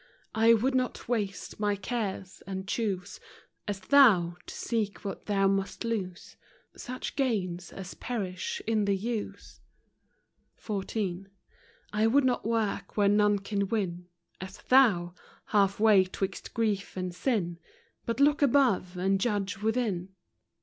I would not waste my cares, and cfioose, As thou, — to seek what thou must lose, Such gains as perish in the use. " I would not work where none can win, As thou ,— half way 'twixt grief and sin, But look above, and judge within.